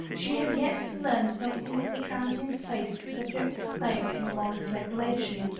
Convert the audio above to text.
She had yet to learn something' of the transient place that subjects claim in a monarch's recollection.